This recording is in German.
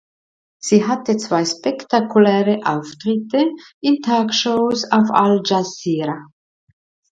Sie hatte zwei spektakuläre Auftritte in Talkshows auf al-Dschasira.